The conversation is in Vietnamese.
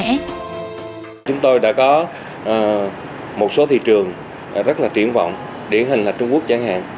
chúng tôi đã có một số thị trường rất là triển vọng điển hình là trung quốc chẳng hạn